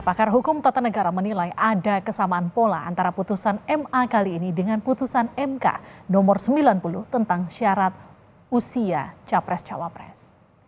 pakar hukum tata negara menilai ada kesamaan pola antara putusan ma kali ini dengan putusan mk nomor sembilan puluh tentang syarat usia capres cawapres